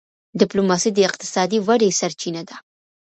ډيپلوماسي د اقتصادي ودي سرچینه ده.